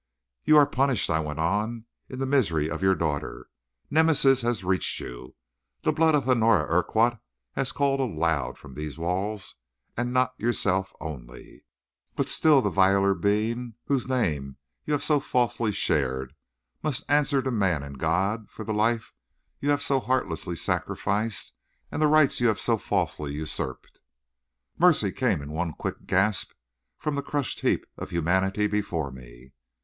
"You are punished," I went on, "in the misery of your daughter. Nemesis has reached you. The blood of Honora Urquhart has called aloud from these walls, and not yourself only, but the still viler being whose name you have so falsely shared, must answer to man and God for the life you so heartlessly sacrificed and the rights you so falsely usurped." "Mercy!" came in one quick gasp from the crushed heap of humanity before me.